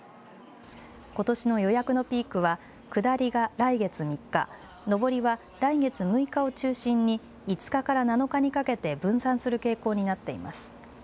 ことしの予約のピークは下りが来月３日、上りは来月６日を中心に５日から７日にかけて分散する傾向になっています。